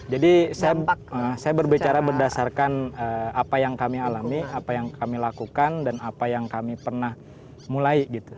jadi saya berbicara berdasarkan apa yang kami alami apa yang kami lakukan dan apa yang kami pernah mulai